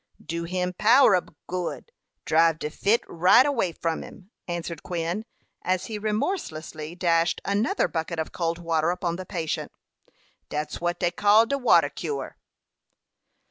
"Do him power ob good. Drive de fit right away from him," answered Quin, as he remorselessly dashed another bucket of cold water upon the patient. "Dat's wat dey call de water cure."